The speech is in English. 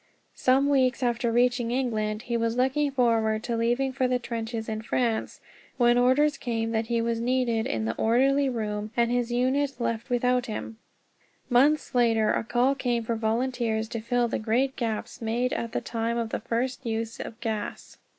Some weeks after reaching England he was looking forward to leaving for the trenches in France, when orders came that he was needed in the Orderly Room, and his unit left without him. Months later a call came for volunteers, to fill the great gaps made at the time of the first use of gas.